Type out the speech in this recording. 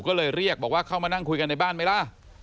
ก็เลยเรียกบอกว่าเข้ามานั่งคุยกันในบ้านไหมล่ะ